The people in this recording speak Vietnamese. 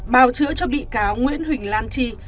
bào chữa cho bị cáo nguyễn huỳnh lan trì